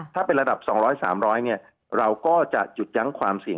ถ้าเป็นระดับ๒๐๐๓๐๐เราก็จะหยุดยั้งความเสี่ยง